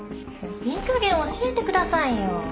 いい加減教えてくださいよ。